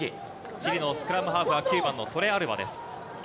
チリのスクラムハーフは、９番のトレアルバです。